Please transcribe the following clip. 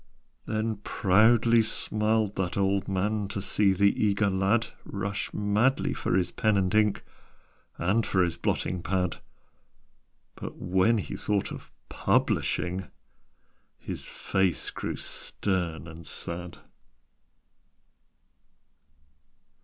Then proudly smiled that old man To see the eager lad Rush madly for his pen and ink And for his blotting pad But, when he thought of publishing, His face grew stern and sad.